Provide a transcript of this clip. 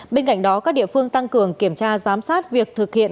bên cạnh đó các địa phương tăng cường kiểm tra giám sát việc thực hiện